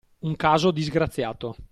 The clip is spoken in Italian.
Un caso disgraziato!